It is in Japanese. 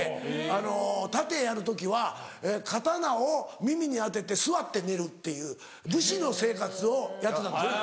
あの殺陣やる時は刀を耳に当てて座って寝るっていう武士の生活をやってたんですよね。